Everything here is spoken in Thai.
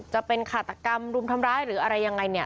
จะเป็นขาตกรรมรุมทำร้ายหรืออะไรยังไงเนี่ย